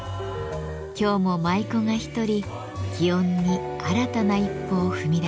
今日も舞妓が一人園に新たな一歩を踏み出しました。